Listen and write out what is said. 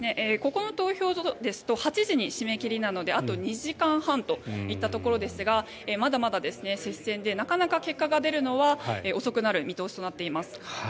ここの投票所ですと８時に締め切りなのであと２時間半といったところですがまだまだ接戦で結果が出るのは遅くなる見通しとなっています。